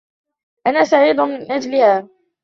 أنا سعيد مِن أجلِها.